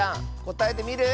こたえてみる？